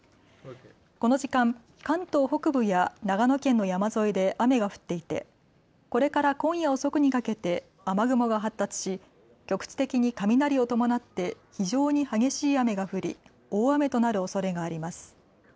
この時間、関東北部や長野県の山沿いで雨が降っていてこれから今夜遅くにかけて雨雲が発達し局地的に雷を伴って非常に激しい雨が降り大雨となるおそれがあります。